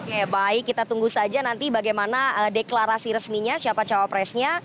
oke baik kita tunggu saja nanti bagaimana deklarasi resminya siapa cawapresnya